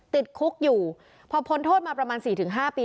ติดคุกอยู่พอพ้นโทษมาประมาณสี่ถึงห้าปี